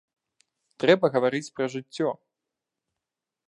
Трэба гаварыць пра жыццё!